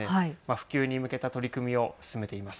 普及に向けた取り組みを進めています。